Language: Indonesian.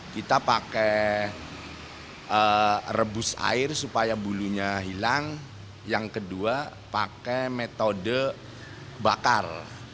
kita pakai rebus air supaya bulunya hilang yang kedua pakai metode bakar